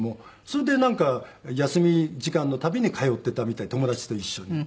それでなんか休み時間の度に通っていたみたい友達と一緒に。